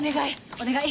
お願い。